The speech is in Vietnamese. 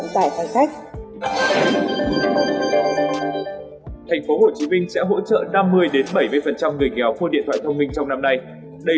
thành phố hồ chí minh sẽ hỗ trợ năm mươi bảy mươi người nghèo qua điện thoại thông minh trong năm nay đây